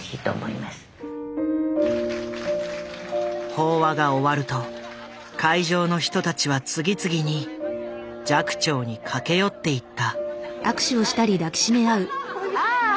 法話が終わると会場の人たちは次々に寂聴に駆け寄っていった。